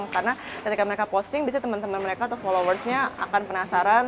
karena ketika mereka posting biasanya temen temen mereka atau followersnya akan penasaran